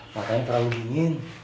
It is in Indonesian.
makanya terlalu dingin